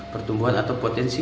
pertumbuhan atau potensi